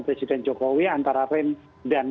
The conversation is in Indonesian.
presiden jokowi antara ren dan